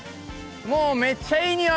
もうめっちゃいいにおい！